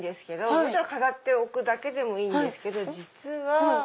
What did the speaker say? もちろん飾っておくだけでもいいんですけど実は。